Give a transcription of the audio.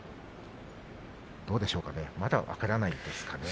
どうでしょうかねまだ分からないですかね。